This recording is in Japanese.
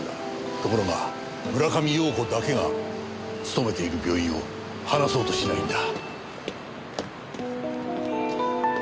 ところが村上陽子だけが勤めている病院を話そうとしないんだ。